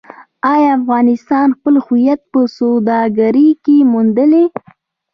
آیا افغانستان خپل هویت په سوداګرۍ کې موندلی؟